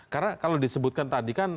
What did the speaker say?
karena kalau disebutkan tadi kan